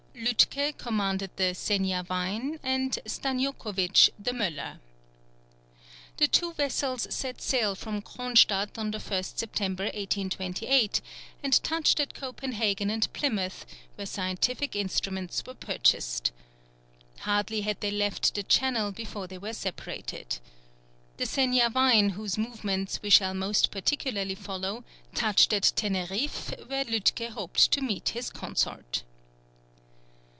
Lütke commanded the Seniavine, and Stanioukowitch the Möller. The two vessels set sail from Cronstadt on the 1st September, 1828, and touched at Copenhagen and Plymouth, where scientific instruments were purchased. Hardly had they left the Channel before they were separated. The Seniavine, whose movements we shall most particularly follow, touched at Teneriffe, where Lütke hoped to meet his consort.